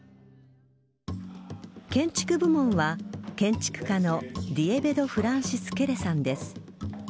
建築部門は建築家のディエベド・フランシス・ケレさんです。